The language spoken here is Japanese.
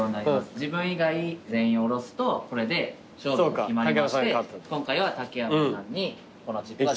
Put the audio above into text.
自分以外全員を降ろすとこれで勝負が決まりまして今回は竹山さんにこのチップは全部。